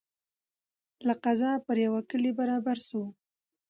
له قضا پر یوه کلي برابر سو